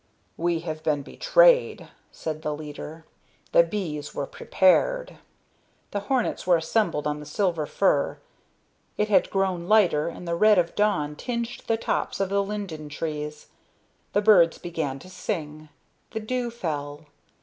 "We have been betrayed," said the leader. "The bees were prepared." The hornets were assembled on the silver fir. It had grown lighter, and the red of dawn tinged the tops of the linden trees. The birds began to sing. The dew fell.